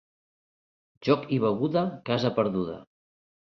Joc i beguda, casa perduda.